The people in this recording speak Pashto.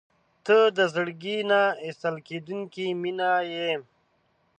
• ته د زړګي نه ایستل کېدونکې مینه یې.